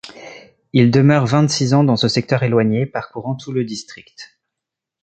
Il demeure vingt-six ans dans ce secteur éloigné, parcourant tout le district.